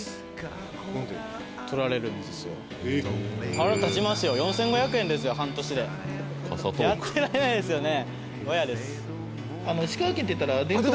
腹立ちますよ４５００円ですよ半年でやってられないですよね